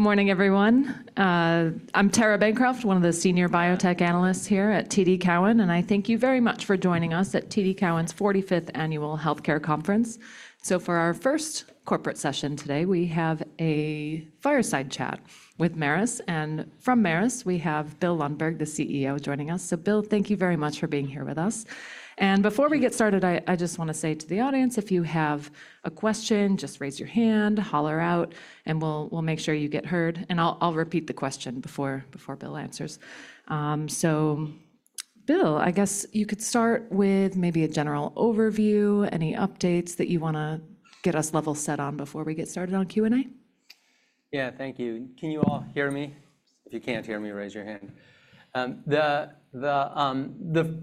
Good morning, everyone. I'm Tara Bancroft, one of the senior biotech analysts here at TD Cowen, and I thank you very much for joining us at TD Cowen's 45th Annual Healthcare Conference. So, for our first corporate session today, we have a fireside chat with Merus. And from Merus, we have Bill Lundberg, the CEO, joining us. So, Bill, thank you very much for being here with us. And before we get started, I just want to say to the audience, if you have a question, just raise your hand, holler out, and we'll make sure you get heard. And I'll repeat the question before Bill answers. So, Bill, I guess you could start with maybe a general overview, any updates that you want to get us level set on before we get started on Q&A. Yeah, thank you. Can you all hear me? If you can't hear me, raise your hand. The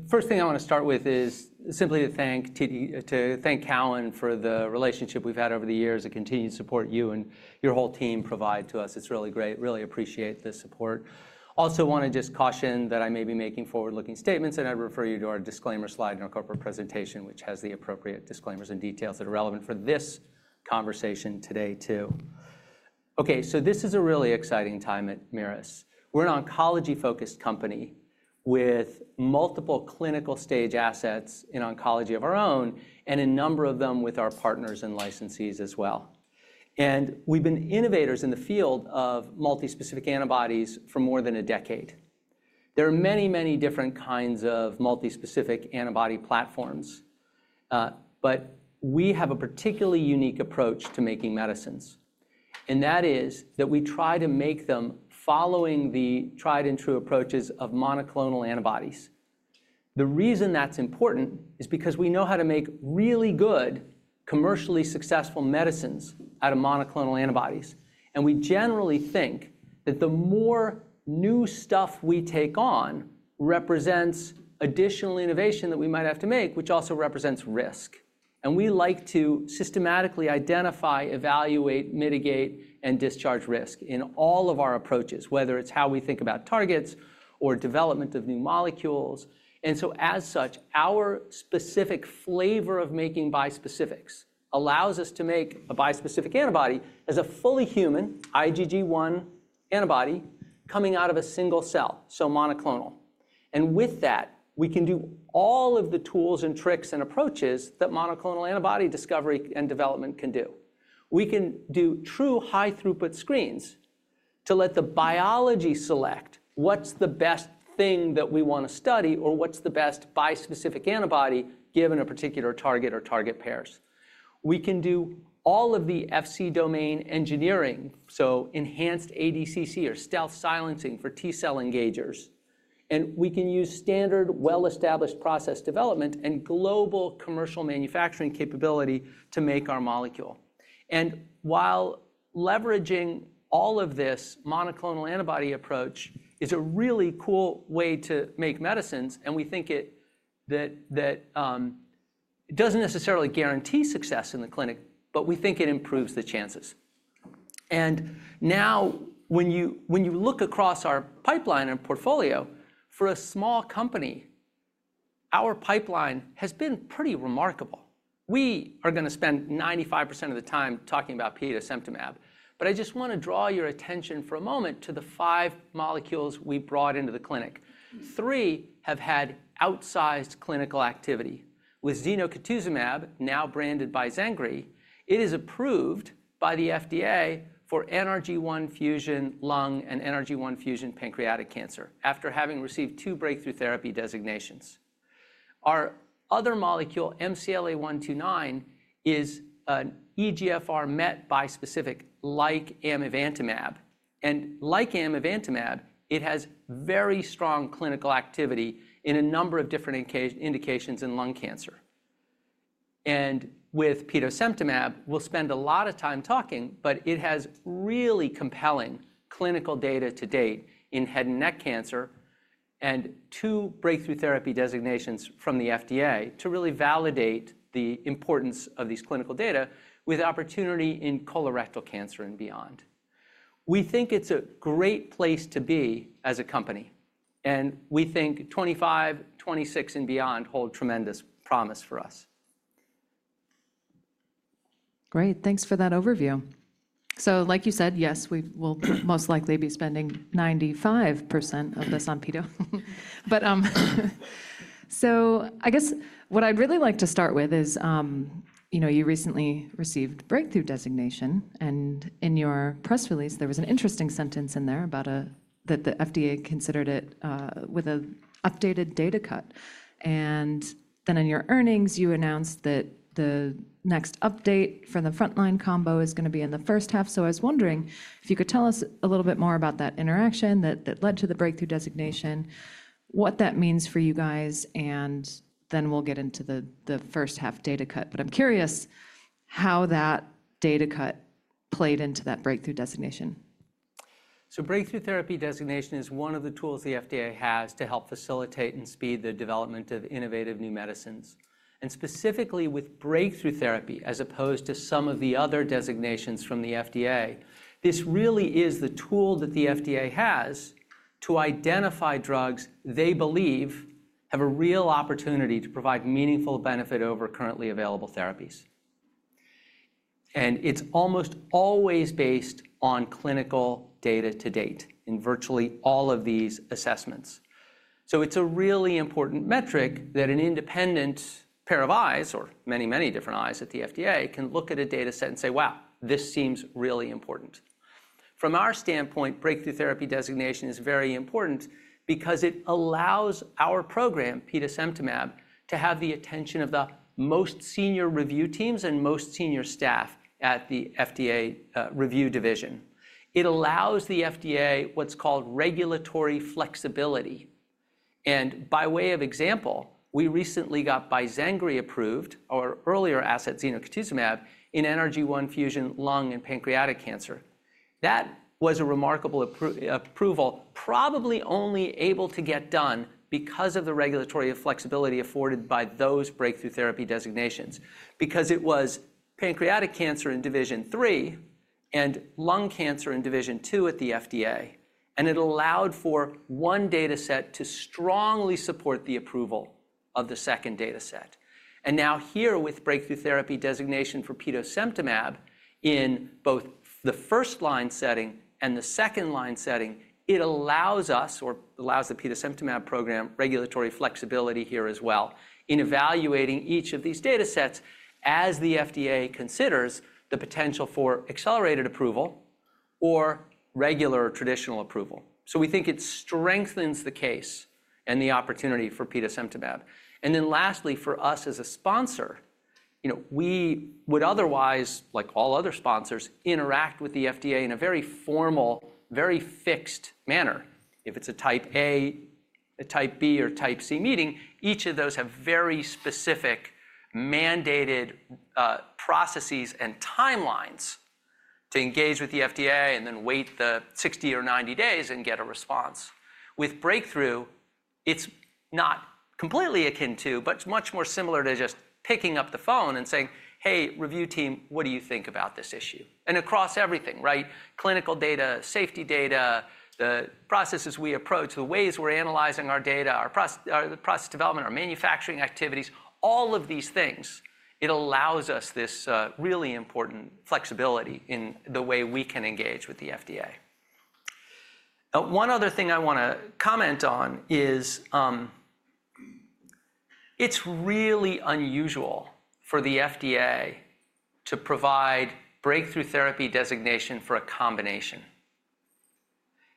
first thing I want to start with is simply to thank Cowen for the relationship we've had over the years and continued support you and your whole team provide to us. It's really great. Really appreciate the support. Also want to just caution that I may be making forward-looking statements, and I'd refer you to our disclaimer slide in our corporate presentation, which has the appropriate disclaimers and details that are relevant for this conversation today, too. Okay, so this is a really exciting time at Merus. We're an oncology-focused company with multiple clinical stage assets in oncology of our own and a number of them with our partners and licensees as well. We've been innovators in the field of multispecific antibodies for more than a decade. There are many, many different kinds of multispecific antibody platforms, but we have a particularly unique approach to making medicines. And that is that we try to make them following the tried-and-true approaches of monoclonal antibodies. The reason that's important is because we know how to make really good, commercially successful medicines out of monoclonal antibodies. And we generally think that the more new stuff we take on represents additional innovation that we might have to make, which also represents risk. And we like to systematically identify, evaluate, mitigate, and discharge risk in all of our approaches, whether it's how we think about targets or development of new molecules. And so, as such, our specific flavor of making bispecifics allows us to make a bispecific antibody as a fully human IgG1 antibody coming out of a single cell, so monoclonal. With that, we can do all of the tools and tricks and approaches that monoclonal antibody discovery and development can do. We can do true high-throughput screens to let the biology select what's the best thing that we want to study or what's the best bispecific antibody given a particular target or target pairs. We can do all of the Fc domain engineering, so enhanced ADCC or stealth silencing for T-cell engagers. We can use standard, well-established process development and global commercial manufacturing capability to make our molecule. While leveraging all of this monoclonal antibody approach is a really cool way to make medicines, and we think that it doesn't necessarily guarantee success in the clinic, but we think it improves the chances. Now, when you look across our pipeline and portfolio, for a small company, our pipeline has been pretty remarkable. We are going to spend 95% of the time talking about Petosemtamab, but I just want to draw your attention for a moment to the five molecules we brought into the clinic. Three have had outsized clinical activity. With zenocutuzumab, now branded as Bizengri, it is approved by the FDA for NRG1 fusion lung and NRG1 fusion pancreatic cancer after having received two breakthrough therapy designations. Our other molecule, MCLA-129, is an EGFR MET bispecific like amivantamab, and like amivantamab, it has very strong clinical activity in a number of different indications in lung cancer, and with Petosemtamab, we'll spend a lot of time talking, but it has really compelling clinical data to date in head and neck cancer and two breakthrough therapy designations from the FDA to really validate the importance of these clinical data with opportunity in colorectal cancer and beyond. We think it's a great place to be as a company, and we think 2025, 2026, and beyond hold tremendous promise for us. Great. Thanks for that overview. So, like you said, yes, we will most likely be spending 95% of this on petosemtamab. But, so I guess what I'd really like to start with is, you know, you recently received a breakthrough designation. And in your press release, there was an interesting sentence in there about that the FDA considered it with an updated data cut. And then in your earnings, you announced that the next update for the frontline combo is going to be in the first half. So I was wondering if you could tell us a little bit more about that interaction that led to the breakthrough designation, what that means for you guys, and then we'll get into the first half data cut. But I'm curious how that data cut played into that breakthrough designation. Breakthrough Therapy Designation is one of the tools the FDA has to help facilitate and speed the development of innovative new medicines. And specifically with Breakthrough Therapy Designation, as opposed to some of the other designations from the FDA, this really is the tool that the FDA has to identify drugs they believe have a real opportunity to provide meaningful benefit over currently available therapies. And it's almost always based on clinical data to date in virtually all of these assessments. So it's a really important metric that an independent pair of eyes, or many, many different eyes at the FDA, can look at a data set and say, "Wow, this seems really important." From our standpoint, Breakthrough Therapy Designation is very important because it allows our program, Petosemtamab, to have the attention of the most senior review teams and most senior staff at the FDA review division. It allows the FDA what's called regulatory flexibility. By way of example, we recently got Bizengri approved, our earlier asset, zenocutuzumab, in NRG1 fusion lung and pancreatic cancer. That was a remarkable approval, probably only able to get done because of the regulatory flexibility afforded by those breakthrough therapy designations, because it was pancreatic cancer in division three and lung cancer in division two at the FDA. It allowed for one data set to strongly support the approval of the second data set. Now here, with breakthrough therapy designation for Petosemtamab in both the first line setting and the second line setting, it allows us, or allows the Petosemtamab program, regulatory flexibility here as well in evaluating each of these data sets as the FDA considers the potential for accelerated approval or regular or traditional approval. So we think it strengthens the case and the opportunity for petosemtamab. Then lastly, for us as a sponsor, you know, we would otherwise, like all other sponsors, interact with the FDA in a very formal, very fixed manner. If it's a type A, a type B, or type C meeting, each of those have very specific mandated processes and timelines to engage with the FDA and then wait the 60 or 90 days and get a response. With breakthrough, it's not completely akin to, but it's much more similar to just picking up the phone and saying, "Hey, review team, what do you think about this issue?" Then across everything, right? Clinical data, safety data, the processes we approach, the ways we're analyzing our data, our process development, our manufacturing activities, all of these things, it allows us this really important flexibility in the way we can engage with the FDA. One other thing I want to comment on is it's really unusual for the FDA to provide breakthrough therapy designation for a combination.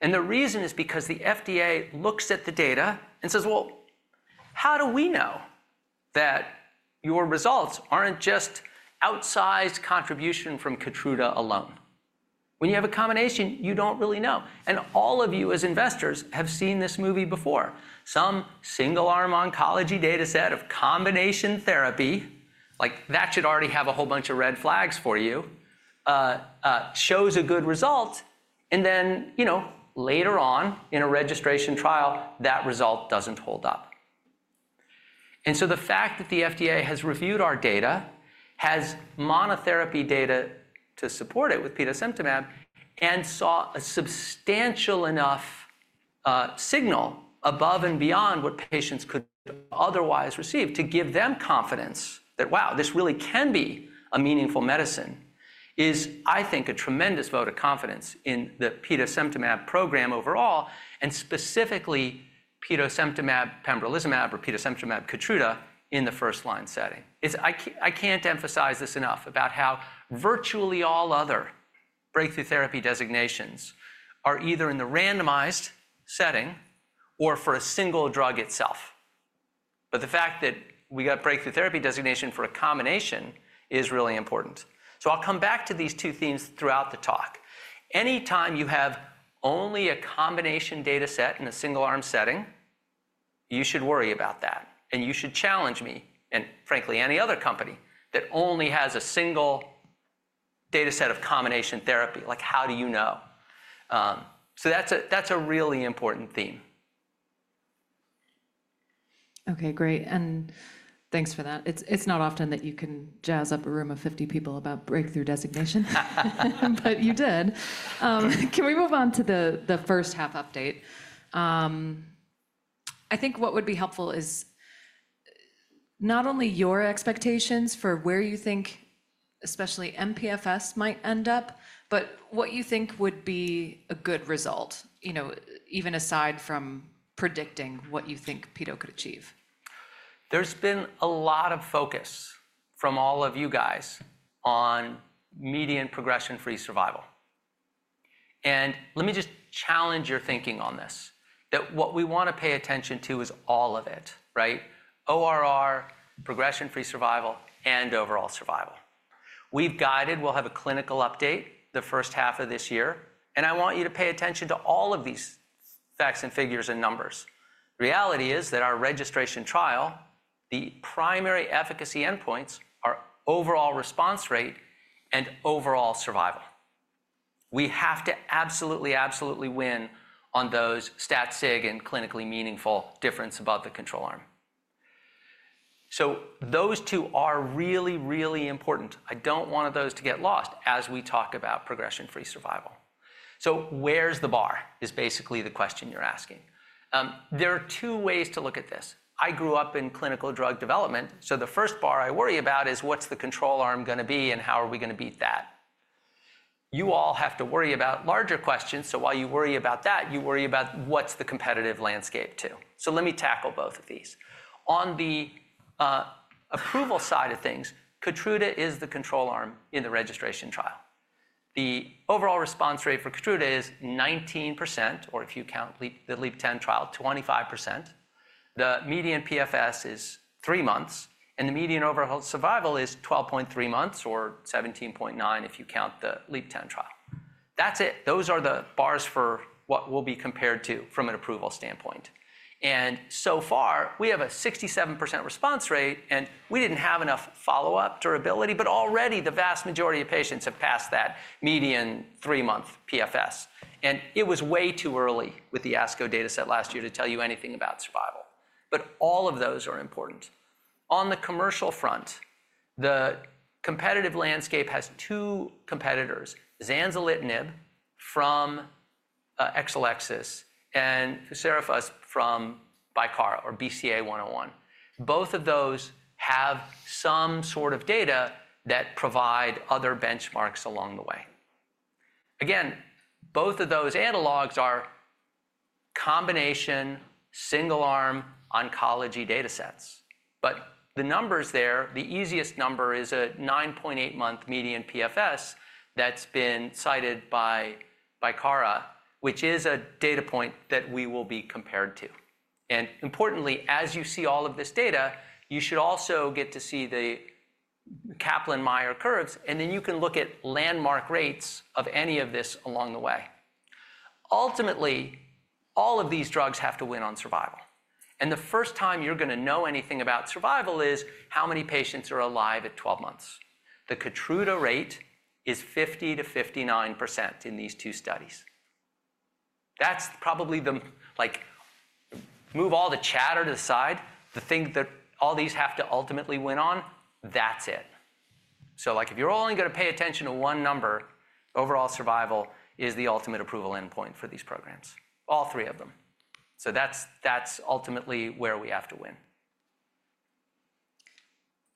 And the reason is because the FDA looks at the data and says, "Well, how do we know that your results aren't just outsized contribution from Keytruda alone?" When you have a combination, you don't really know. And all of you as investors have seen this movie before. Some single-arm oncology data set of combination therapy, like that should already have a whole bunch of red flags for you, shows a good result. And then, you know, later on in a registration trial, that result doesn't hold up. And so the fact that the FDA has reviewed our data and has monotherapy data to support it with Petosemtamab and saw a substantial enough signal above and beyond what patients could otherwise receive to give them confidence that, "Wow, this really can be a meaningful medicine," is, I think, a tremendous vote of confidence in the Petosemtamab program overall, and specifically Petosemtamab pembrolizumab or Petosemtamab Keytruda in the first line setting. I can't emphasize this enough about how virtually all other breakthrough therapy designations are either in the randomized setting or for a single drug itself. But the fact that we got breakthrough therapy designation for a combination is really important. So I'll come back to these two themes throughout the talk. Anytime you have only a combination data set in a single arm setting, you should worry about that. And you should challenge me and, frankly, any other company that only has a single data set of combination therapy, like, "How do you know?" So that's a really important theme. Okay, great. And thanks for that. It's not often that you can jazz up a room of 50 people about breakthrough designation, but you did. Can we move on to the first half update? I think what would be helpful is not only your expectations for where you think especially mPFS might end up, but what you think would be a good result, you know, even aside from predicting what you think Petosemtamab could achieve. There's been a lot of focus from all of you guys on median progression-free survival. And let me just challenge your thinking on this, that what we want to pay attention to is all of it, right? ORR, progression-free survival, and overall survival. We've guided, we'll have a clinical update the first half of this year. And I want you to pay attention to all of these facts and figures and numbers. The reality is that our registration trial, the primary efficacy endpoints are overall response rate and overall survival. We have to absolutely, absolutely win on those stat-sig and clinically meaningful difference above the control arm. So those two are really, really important. I don't want those to get lost as we talk about progression-free survival. So where's the bar is basically the question you're asking. There are two ways to look at this. I grew up in clinical drug development. So the first bar I worry about is what's the control arm going to be and how are we going to beat that? You all have to worry about larger questions. So while you worry about that, you worry about what's the competitive landscape too. So let me tackle both of these. On the approval side of things, Keytruda is the control arm in the registration trial. The overall response rate for Keytruda is 19%, or if you count the LEAP-010 trial, 25%. The median PFS is three months, and the median overall survival is 12.3 months or 17.9 if you count the LEAP-010 trial. That's it. Those are the bars for what we'll be compared to from an approval standpoint. And so far, we have a 67% response rate, and we didn't have enough follow-up durability, but already the vast majority of patients have passed that median three-month PFS. And it was way too early with the ASCO data set last year to tell you anything about survival. But all of those are important. On the commercial front, the competitive landscape has two competitors, zanzalintinib from Exelixis and ficerafusp from Bicara or BCA101. Both of those have some sort of data that provide other benchmarks along the way. Again, both of those analogs are combination single-arm oncology data sets. But the numbers there, the easiest number is a 9.8-month median PFS that's been cited by Bicara, which is a data point that we will be compared to. Importantly, as you see all of this data, you should also get to see the Kaplan-Meier curves, and then you can look at landmark rates of any of this along the way. Ultimately, all of these drugs have to win on survival. The first time you're going to know anything about survival is how many patients are alive at 12 months. The Keytruda rate is 50%-59% in these two studies. That's probably the, like, move all the chatter to the side, the thing that all these have to ultimately win on, that's it. So like, if you're only going to pay attention to one number, overall survival is the ultimate approval endpoint for these programs, all three of them. So that's ultimately where we have to win.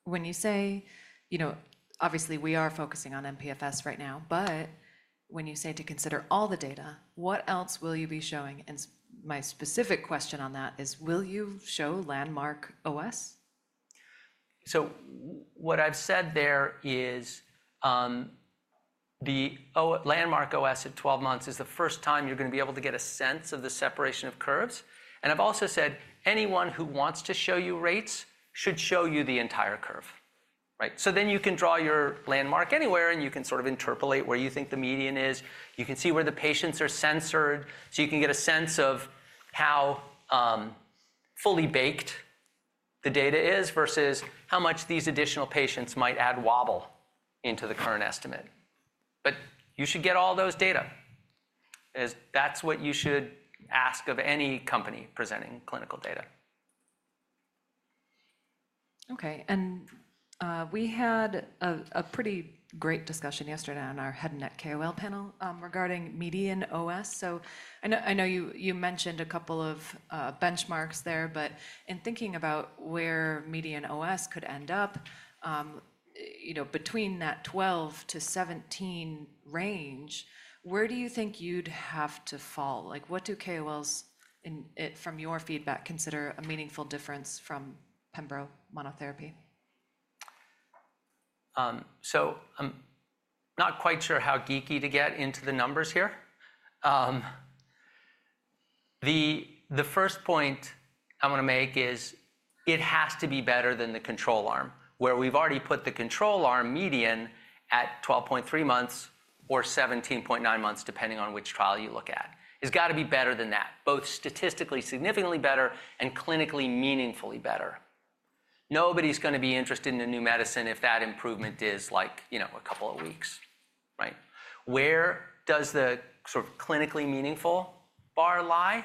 When you say, you know, obviously we are focusing on MPFS right now, but when you say to consider all the data, what else will you be showing? And my specific question on that is, will you show landmark OS? So what I've said there is the landmark OS at 12 months is the first time you're going to be able to get a sense of the separation of curves. And I've also said anyone who wants to show you rates should show you the entire curve, right? So then you can draw your landmark anywhere, and you can sort of interpolate where you think the median is. You can see where the patients are censored. So you can get a sense of how fully baked the data is versus how much these additional patients might add wobble into the current estimate. But you should get all those data. That's what you should ask of any company presenting clinical data. Okay. And we had a pretty great discussion yesterday on our head and neck KOL panel regarding median OS. So I know you mentioned a couple of benchmarks there, but in thinking about where median OS could end up, you know, between that 12 to 17 range, where do you think you'd have to fall? Like, what do KOLs from your feedback consider a meaningful difference from pembrolizumab monotherapy? So I'm not quite sure how geeky to get into the numbers here. The first point I want to make is it has to be better than the control arm, where we've already put the control arm median at 12.3 months or 17.9 months, depending on which trial you look at. It's got to be better than that, both statistically significantly better and clinically meaningfully better. Nobody's going to be interested in a new medicine if that improvement is like, you know, a couple of weeks, right? Where does the sort of clinically meaningful bar lie?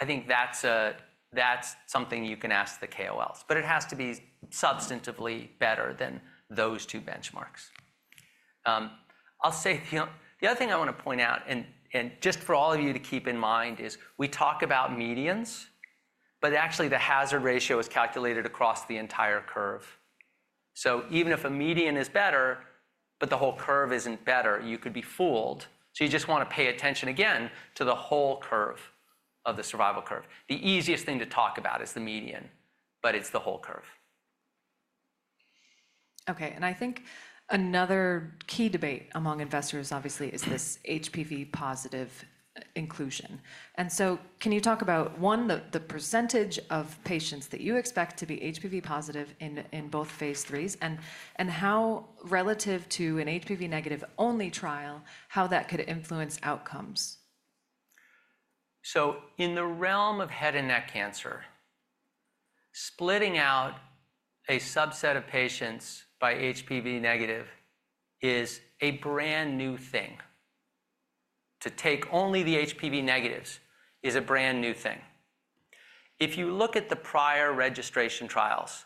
I think that's something you can ask the KOLs, but it has to be substantively better than those two benchmarks. I'll say the other thing I want to point out, and just for all of you to keep in mind, is we talk about medians, but actually the hazard ratio is calculated across the entire curve. So even if a median is better, but the whole curve isn't better, you could be fooled. So you just want to pay attention again to the whole curve of the survival curve. The easiest thing to talk about is the median, but it's the whole curve. Okay. And I think another key debate among investors, obviously, is this HPV positive inclusion. And so can you talk about, one, the percentage of patients that you expect to be HPV positive in both phase threes and how, relative to an HPV negative only trial, how that could influence outcomes? So in the realm of head and neck cancer, splitting out a subset of patients by HPV negative is a brand new thing. To take only the HPV negatives is a brand new thing. If you look at the prior registration trials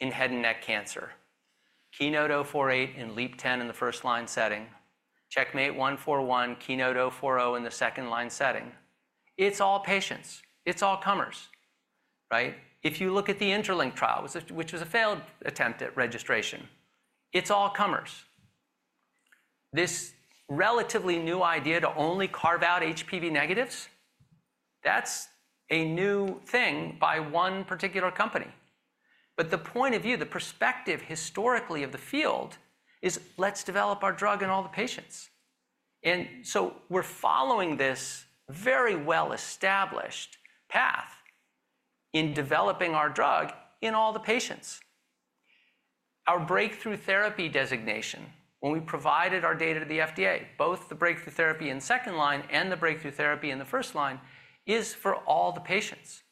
in head and neck cancer, KEYNOTE-048 and LEAP-010 in the first line setting, CheckMate 141, KEYNOTE-040 in the second line setting, it's all patients. It's all comers, right? If you look at the INTERLINK trial, which was a failed attempt at registration, it's all comers. This relatively new idea to only carve out HPV negatives, that's a new thing by one particular company. But the point of view, the perspective historically of the field is, let's develop our drug in all the patients. And so we're following this very well-established path in developing our drug in all the patients. Our breakthrough therapy designation, when we provided our data to the FDA, both the breakthrough therapy in second line and the breakthrough therapy in the first line, is for all the patients,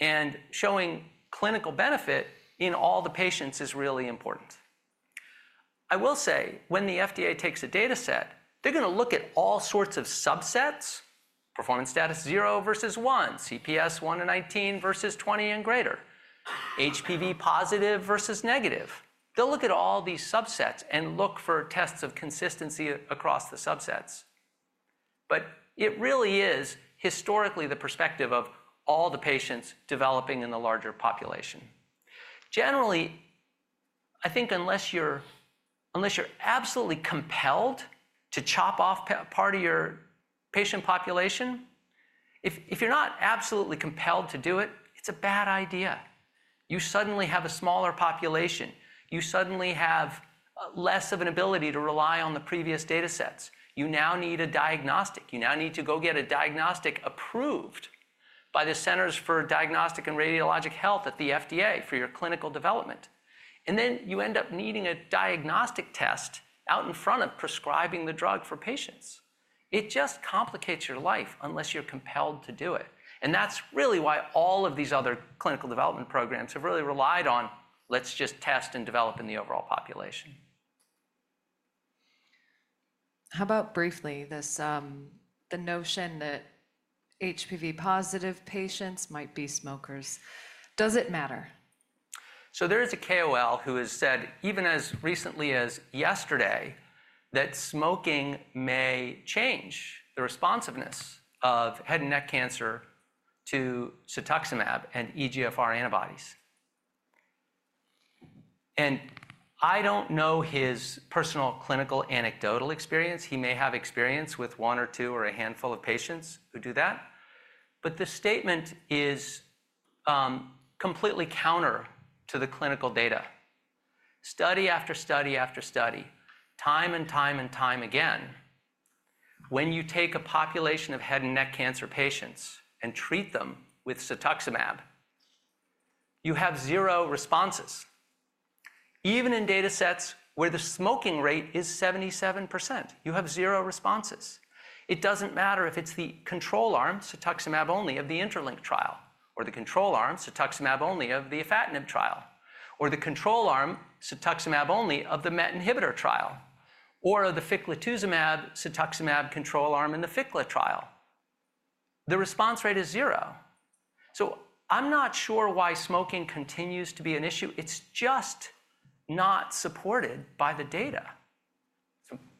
and showing clinical benefit in all the patients is really important. I will say, when the FDA takes a data set, they're going to look at all sorts of subsets, performance status zero versus one, CPS one to 19 versus 20 and greater, HPV positive versus negative. They'll look at all these subsets and look for tests of consistency across the subsets, but it really is historically the perspective of all the patients developing in the larger population. Generally, I think unless you're absolutely compelled to chop off part of your patient population, if you're not absolutely compelled to do it, it's a bad idea. You suddenly have a smaller population. You suddenly have less of an ability to rely on the previous data sets. You now need a diagnostic. You now need to go get a diagnostic approved by the Center for Devices and Radiological Health at the FDA for your clinical development. And then you end up needing a diagnostic test out in front of prescribing the drug for patients. It just complicates your life unless you're compelled to do it. And that's really why all of these other clinical development programs have really relied on, let's just test and develop in the overall population. How about briefly this, the notion that HPV positive patients might be smokers? Does it matter? So there is a KOL who has said, even as recently as yesterday, that smoking may change the responsiveness of head and neck cancer to cetuximab and EGFR antibodies. And I don't know his personal clinical anecdotal experience. He may have experience with one or two or a handful of patients who do that. But the statement is completely counter to the clinical data. Study after study after study, time and time and time again, when you take a population of head and neck cancer patients and treat them with cetuximab, you have zero responses. Even in data sets where the smoking rate is 77%, you have zero responses. It doesn't matter if it's the control arm, cetuximab only, of the INTERLINK trial, or the control arm, cetuximab only, of the afatinib trial, or the control arm, cetuximab only, of the MET inhibitor trial, or the ficlatuzumab cetuximab control arm in the INTERLINK trial. The response rate is zero. So I'm not sure why smoking continues to be an issue. It's just not supported by the data.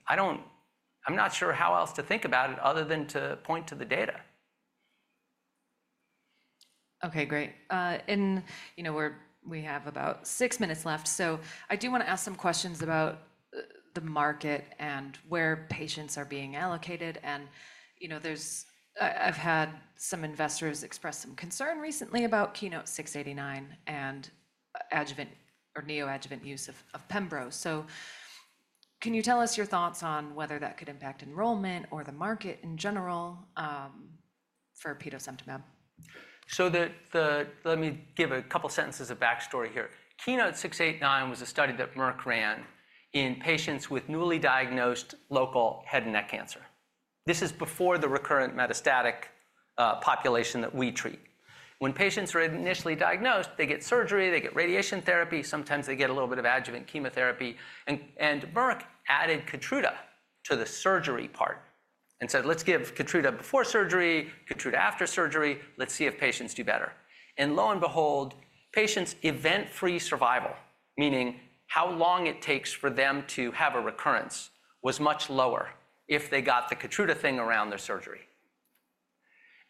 I'm not sure how else to think about it other than to point to the data. Okay, great. And you know, we have about six minutes left. So I do want to ask some questions about the market and where patients are being allocated. And you know, I've had some investors express some concern recently about KEYNOTE-689 and adjuvant or neoadjuvant use of pembrolizumab. So can you tell us your thoughts on whether that could impact enrollment or the market in general for petosemtamab? So let me give a couple sentences of backstory here. KEYNOTE-689 was a study that Merck ran in patients with newly diagnosed local head and neck cancer. This is before the recurrent metastatic population that we treat. When patients are initially diagnosed, they get surgery, they get radiation therapy, sometimes they get a little bit of adjuvant chemotherapy. And Merck added Keytruda to the surgery part and said, let's give Keytruda before surgery, Keytruda after surgery, let's see if patients do better. And lo and behold, patients' event-free survival, meaning how long it takes for them to have a recurrence, was much lower if they got the Keytruda thing around their surgery.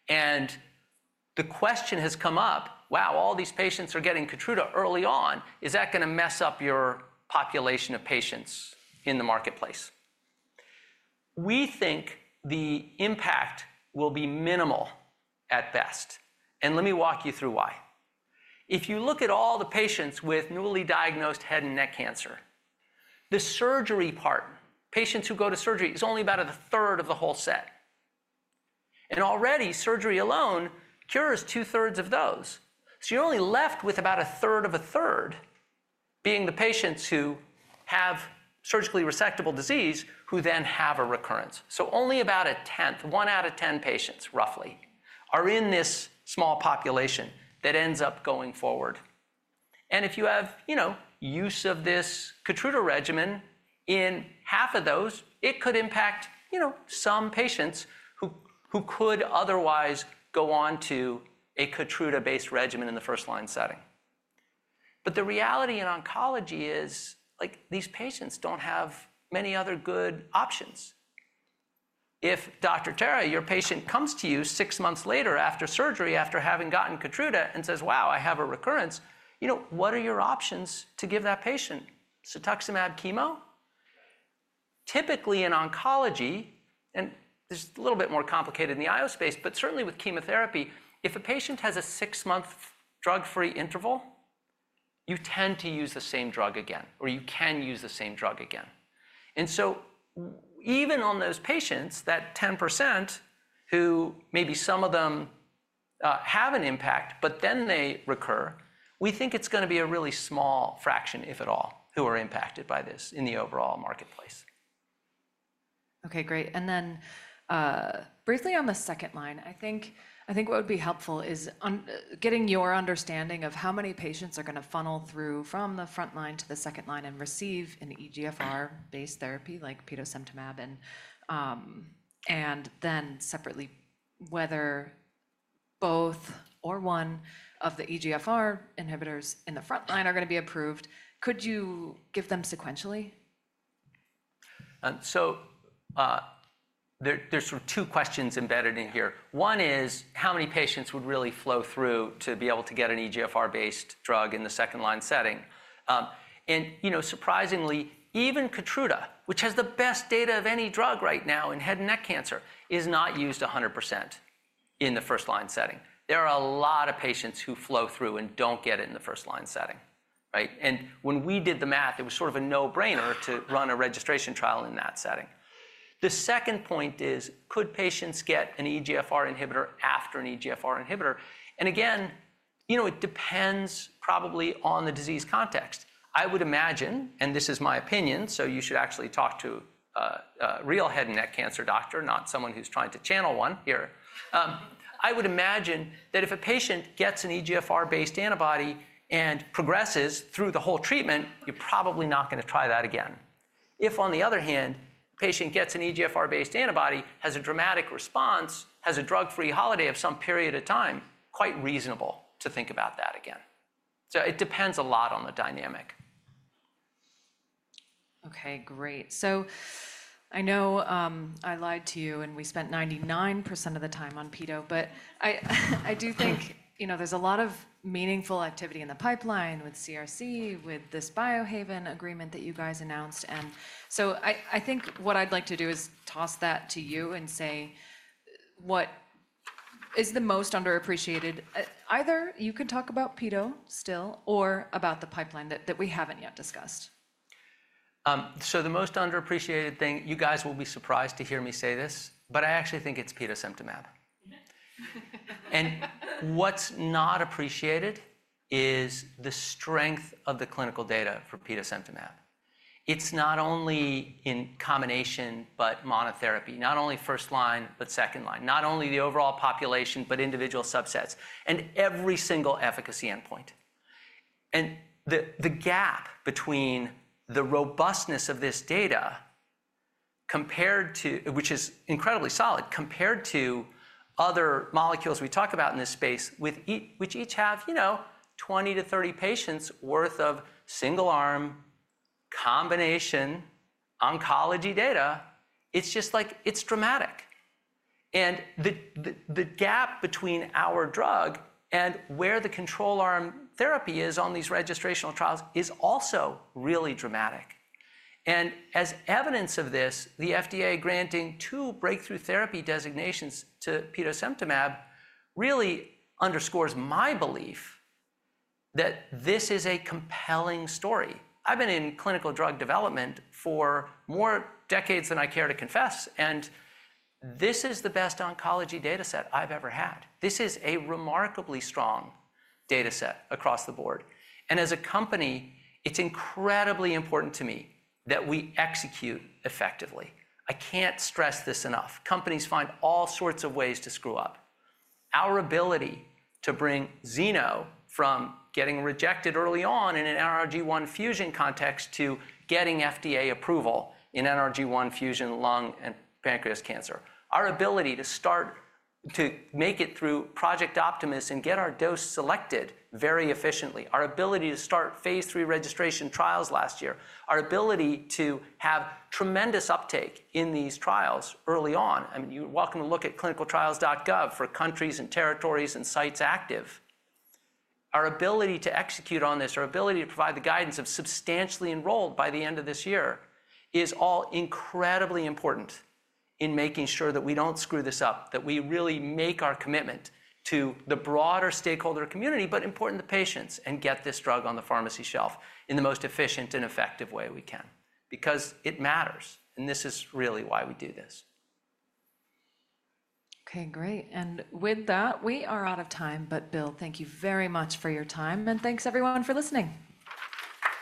And the question has come up, wow, all these patients are getting Keytruda early on, is that going to mess up your population of patients in the marketplace? We think the impact will be minimal at best. And let me walk you through why. If you look at all the patients with newly diagnosed head and neck cancer, the surgery part, patients who go to surgery, is only about a third of the whole set. And already surgery alone cures two-thirds of those. So you're only left with about a third of a third being the patients who have surgically resectable disease who then have a recurrence. So only about a tenth, one out of ten patients, roughly, are in this small population that ends up going forward. And if you have, you know, use of this Keytruda regimen, in half of those, it could impact, you know, some patients who could otherwise go on to a Keytruda-based regimen in the first line setting. But the reality in oncology is, like, these patients don't have many other good options. If Dr. Tara, your patient comes to you six months later after surgery, after having gotten Keytruda, and says, wow, I have a recurrence, you know, what are your options to give that patient? cetuximab chemo? Typically in oncology, and it's a little bit more complicated in the IO space, but certainly with chemotherapy, if a patient has a six-month drug-free interval, you tend to use the same drug again, or you can use the same drug again. And so even on those patients, that 10%, who maybe some of them have an impact, but then they recur, we think it's going to be a really small fraction, if at all, who are impacted by this in the overall marketplace. Okay, great. And then briefly on the second line, I think what would be helpful is getting your understanding of how many patients are going to funnel through from the front line to the second line and receive an EGFR-based therapy like Petosemtamab, and then separately whether both or one of the EGFR inhibitors in the front line are going to be approved. Could you give them sequentially? So there's sort of two questions embedded in here. One is how many patients would really flow through to be able to get an EGFR-based drug in the second line setting. And you know, surprisingly, even Keytruda, which has the best data of any drug right now in head and neck cancer, is not used 100% in the first line setting. There are a lot of patients who flow through and don't get it in the first line setting, right? And when we did the math, it was sort of a no-brainer to run a registration trial in that setting. The second point is, could patients get an EGFR inhibitor after an EGFR inhibitor? And again, you know, it depends probably on the disease context. I would imagine, and this is my opinion, so you should actually talk to a real head and neck cancer doctor, not someone who's trying to channel one here. I would imagine that if a patient gets an EGFR-based antibody and progresses through the whole treatment, you're probably not going to try that again. If on the other hand, a patient gets an EGFR-based antibody, has a dramatic response, has a drug-free holiday of some period of time, quite reasonable to think about that again. So it depends a lot on the dynamic. Okay, great. So I know I lied to you and we spent 99% of the time on Petosemtamab, but I do think, you know, there's a lot of meaningful activity in the pipeline with CRC, with this Biohaven agreement that you guys announced. And so I think what I'd like to do is toss that to you and say what is the most underappreciated, either you could talk about Petosemtamab still or about the pipeline that we haven't yet discussed. So the most underappreciated thing, you guys will be surprised to hear me say this, but I actually think it's Petosemtamab. And what's not appreciated is the strength of the clinical data for Petosemtamab. It's not only in combination, but monotherapy, not only first line, but second line, not only the overall population, but individual subsets, and every single efficacy endpoint. And the gap between the robustness of this data compared to, which is incredibly solid, compared to other molecules we talk about in this space, which each have, you know, 20-30 patients' worth of single-arm combination oncology data, it's just like, it's dramatic. And the gap between our drug and where the control arm therapy is on these registrational trials is also really dramatic. And as evidence of this, the FDA granting two breakthrough therapy designations to Petosemtamab really underscores my belief that this is a compelling story. I've been in clinical drug development for more decades than I care to confess, and this is the best oncology data set I've ever had. This is a remarkably strong data set across the board. And as a company, it's incredibly important to me that we execute effectively. I can't stress this enough. Companies find all sorts of ways to screw up. Our ability to bring zeno from getting rejected early on in an NRG1 fusion context to getting FDA approval in NRG1 fusion lung and pancreas cancer, our ability to start to make it through Project Optimus and get our dose selected very efficiently, our ability to start phase three registration trials last year, our ability to have tremendous uptake in these trials early on, I mean, you're welcome to look at ClinicalTrials.gov for countries and territories and sites active. Our ability to execute on this, our ability to provide the guidance of substantially enrolled by the end of this year is all incredibly important in making sure that we don't screw this up, that we really make our commitment to the broader stakeholder community, but important to patients, and get this drug on the pharmacy shelf in the most efficient and effective way we can, because it matters. This is really why we do this. Okay, great. And with that, we are out of time. But Bill, thank you very much for your time. And thanks everyone for listening.